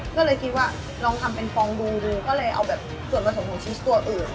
ก็เลยคิดว่าลองทำเป็นฟองดูดูก็เลยเอาแบบส่วนผสมของชีสตัวอื่น